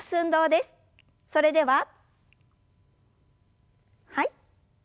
それでははい。